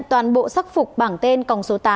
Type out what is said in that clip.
toàn bộ sắc phục bảng tên cổng số tám